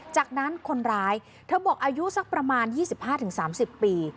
จากนั้นคนร้ายเธอบอกอายุสักประมาณ๒๕๓๐ปี